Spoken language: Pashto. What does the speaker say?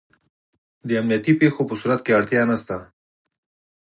د امنیتي پېښو په صورت کې اړتیا نشته.